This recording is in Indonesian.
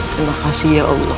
terima kasih ya allah